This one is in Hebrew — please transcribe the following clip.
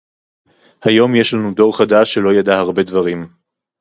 היום יש לנו דור חדש שלא ידע הרבה דברים